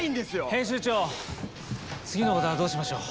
編集長次のオーダーはどうしましょう？